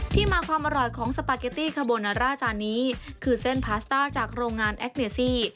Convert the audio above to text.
ที่มาความอร่อยของสปาเกตตี้คาโบนาร่าจานนี้คือเส้นพาสต้าจากโรงงานแอคเนซี่